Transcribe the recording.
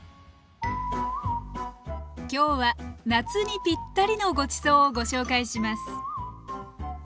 今日は夏にぴったりのごちそうをご紹介します。